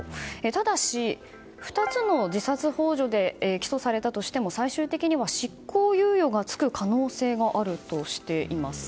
ただし、２つの自殺幇助で起訴されたとしても最終的には執行猶予がつく可能性があるとしています。